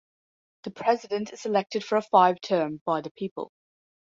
The president is elected for a five term by the people.